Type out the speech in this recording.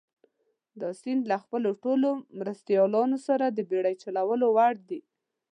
دا سیند له خپلو ټولو مرستیالانو سره د بېړۍ چلولو وړ دي.